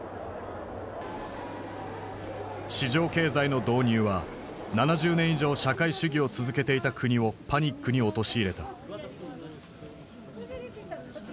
市場経済の導入は７０年以上社会主義を続けていた国をパニックに陥れた。